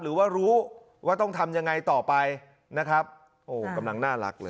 หรือว่ารู้ว่าต้องทำยังไงต่อไปนะครับโอ้กำลังน่ารักเลย